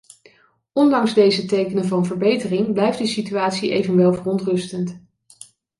Ondanks deze tekenen van verbetering blijft de situatie evenwel verontrustend.